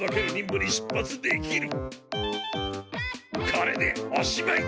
これでおしまい！